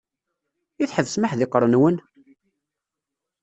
I tḥebsem aḥdiqer-nwen?